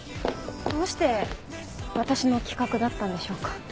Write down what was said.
どうして私の企画だったんでしょうか？